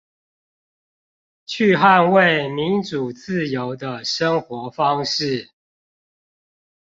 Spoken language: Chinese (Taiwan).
去捍衛民主自由的生活方式